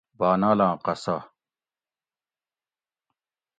بانالاں قصہ